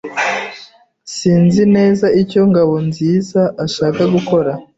Sinzi neza icyo Ngabonziza ashaka gukora.